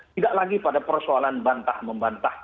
tidak lagi pada persoalan bantah membantah